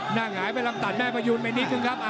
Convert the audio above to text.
หงายไปลำตัดแม่ประยูนไปนิดนึงครับ